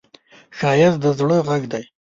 ښایست د زړه غږ دی